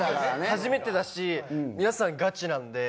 初めてだし皆さんガチなんで。